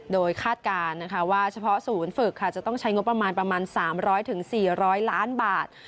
โดยคาดการณ์นะคะว่าเฉพาะศูนย์ฝึกจะต้องใช้งบประมาณประมาณ๓๐๐๔๐๐ล้านบาท